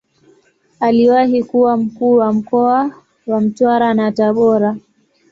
Aliwahi kuwa Mkuu wa mkoa wa Mtwara na Tabora.